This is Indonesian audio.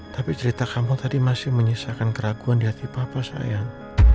tapi cerita kamu tadi masih menyisakan keraguan di hati papa sayang